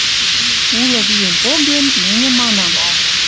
Улы виэм поген, мӹньӹ манам: